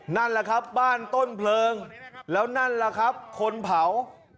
นั่นแหละครับบ้านต้นเพลิงแล้วนั่นแหละครับคนเผา